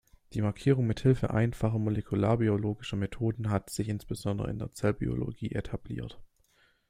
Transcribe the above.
Die Markierung mit Hilfe einfacher molekularbiologischer Methoden hat sich insbesondere in der Zellbiologie etabliert.